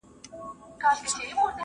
مکتب د ښوونکي له خوا خلاصیږي؟